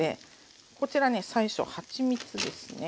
こちらね最初はちみつですね。